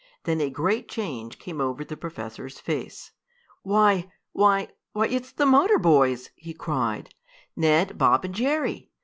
Then a great change came over the professor's face. "Why why why, it's the motor boys!" he cried. "Ned, Bob and Jerry!